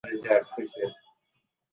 তাস্বত্ত্বেও খেলা চালিয়ে যান।